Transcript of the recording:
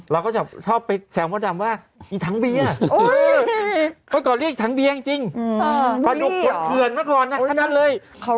เอ้ยโหเขาเรียกฉันบเปียงจริงมาดูปฏิหกเขื่อนเมื่อก่อนนะฉะนั้นเลย